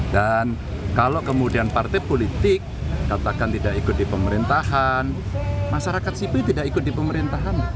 dan kalau kemudian partai politik katakan tidak ikut di pemerintahan masyarakat sipil tidak ikut di pemerintahan